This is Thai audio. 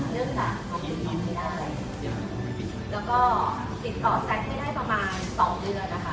เรื่องตัดเหตุผลยังไม่ได้แล้วก็ติดต่อแซสให้ประมาณ๒เดือนนะคะ